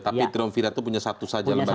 tapi triumvirat itu punya satu saja lembaga lagi